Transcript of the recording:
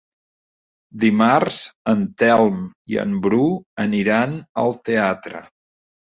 Dimarts en Telm i en Bru aniran al teatre.